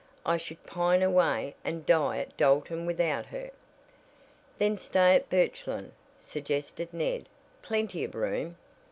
"I should pine away and die at Dalton without her." "Then stay at Birchland," suggested Ned. "Plenty of room."